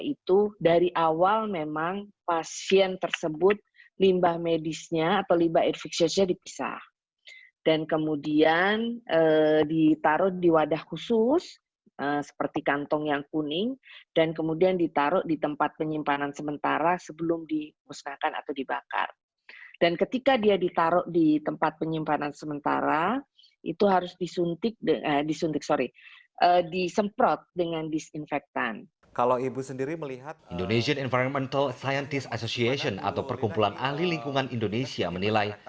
indonesia environmental scientist association atau perkumpulan ahli lingkungan indonesia menilai